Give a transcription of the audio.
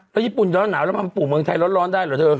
ก็ญี่ปุ่นเล่นหนาวแล้วมาปลูงเมืองไทยร้อนได้หรือเธอ